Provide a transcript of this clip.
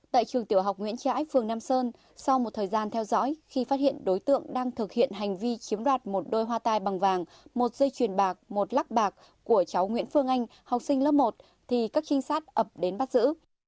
tại trường tiểu học nguyễn trãi phường nam sơn sau một thời gian theo dõi khi phát hiện đối tượng đang thực hiện hành vi chiếm đoạt một đôi hoa tai bằng vàng một dây chuyền bạc một lắc bạc của cháu nguyễn phương anh học sinh lớp một thì các trinh sát ập đến bắt giữ